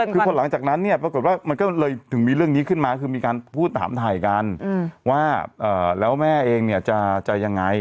เขาอยากเกิดก่อนครับหนึ่งแล้วคุณผู้ชมงงไง